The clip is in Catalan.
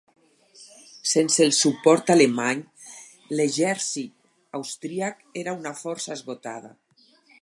Sense el suport alemany, l'exèrcit austríac era una força esgotada.